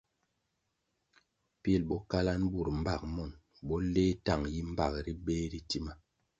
Pil bo kalanʼ bur mbag monʼ, bo leh tang yi mbag ri beh ri tima.